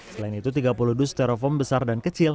selain itu tiga puluh dua sterofom besar dan kecil